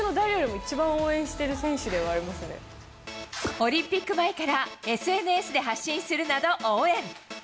オリンピック前からＳＮＳで発信するなど応援。